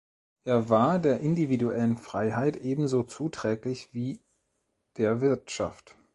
Er war der individuellen Freiheit ebenso zuträglich wie der Wirtschaft.